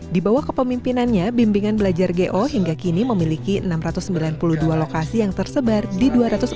di bawah kepemimpinannya bimbingan belajar go hingga kini memiliki enam ratus sembilan puluh dua lokasi yang tersebar di dua ratus enam puluh